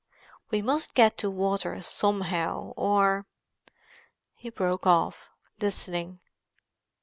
We must get to water somehow, or——" He broke off, listening.